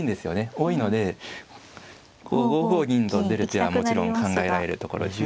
多いのでこう５五銀と出る手はもちろん考えられるところですね。